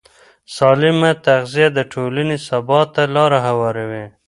سالمه تغذیه د ټولنې ثبات ته لاره هواروي.